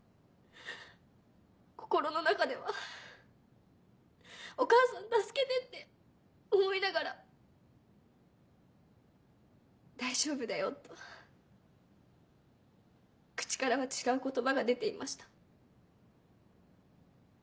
心の中では「お母さん助けて」って思いながら「大丈夫だよ」と口からは違う言葉が出ていました。